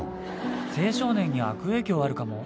青少年に悪影響あるかも。